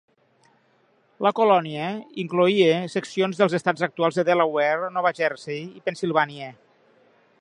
La colònia incloïa seccions dels estats actuals de Delaware, Nova Jersey i Pennsilvània.